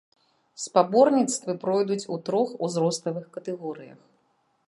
Спаборніцтвы пройдуць у трох узроставых катэгорыях.